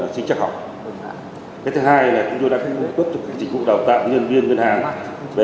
tránh một số trường hợp